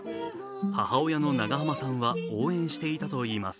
母親の長濱さんは、応援していたといいます。